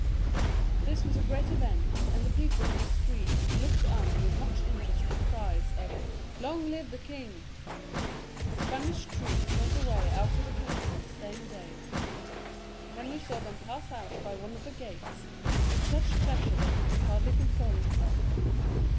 This was a great event, and the people in the streets looked on with much interest and cries of " Long live the king !" The Spanish troops went away out of the capital the same day. Henry saw them pass out by one of the gates with such pleasure that he could hardly control himself.